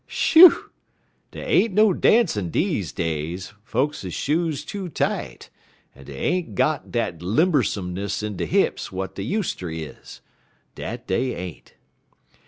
Shoo! Dey ain't no dancin' deze days; folks' shoes too tight, en dey ain't got dat limbersomeness in de hips w'at dey uster is. Dat dey ain't.